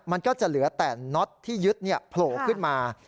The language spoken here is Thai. มันก็จะเหลือแต่น็อตที่ยึดโผล่ขึ้นมา